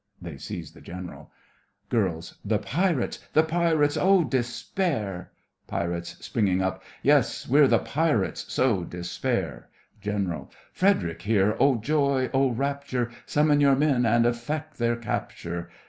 (They seize the GENERAL) GIRLS: The pirates! the pirates! Oh, despair! PIRATES: (springing up) Yes, we're the pirates, so despair! GENERAL: Frederic here! Oh, joy! Oh. rapture! Summon your men and effect their capture!